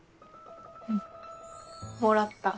うんもらった。